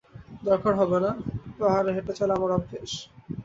দরকার হবে না, পাহাড়ে হেঁটে চলা আমার অভ্যেস।